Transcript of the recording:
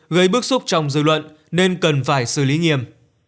gây bức xúc trong dư luận nên cần phải xử lý nghiêm